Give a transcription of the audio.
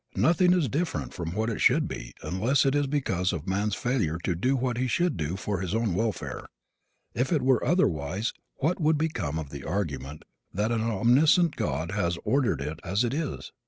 Nothing is different from what it should be unless it is because of man's failure to do what he should do for his own welfare. If it were otherwise what would become of the argument that an omniscient God has ordered it as it is?